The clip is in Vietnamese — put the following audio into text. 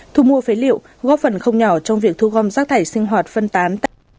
thu mua phế liệu góp phần không nhỏ trong việc thu gom rác thải sinh hoạt phân tán